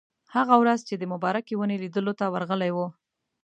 هغه ورځ چې د مبارکې ونې لیدلو ته ورغلي وو.